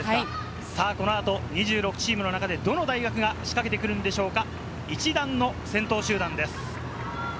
この後、２６チームの中でどの大学が仕掛けてくるんでしょうか？